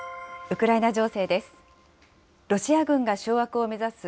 ウクライナ情勢です。